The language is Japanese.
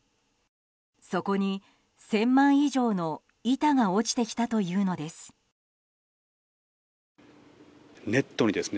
そこに１０００枚以上の板が落ちてきたというのです。